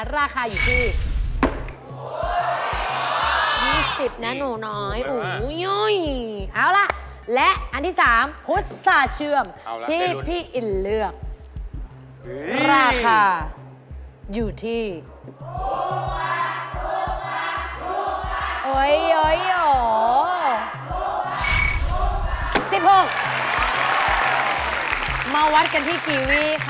ราคาอยู่ที่